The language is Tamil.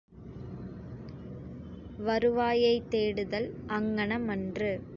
வருவாயைத் தேடுதல் அங்ஙனமன்று.